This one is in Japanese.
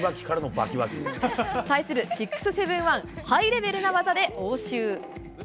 対する６７１、ハイレベルな技で応酬。